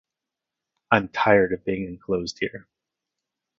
I’m tired of being enclosed here.